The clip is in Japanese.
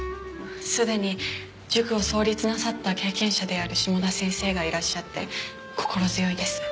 すでに塾を創立なさった経験者である下田先生がいらっしゃって心強いです。